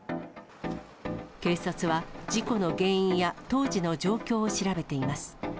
警察は、事故の原因や当時の状況を調べています。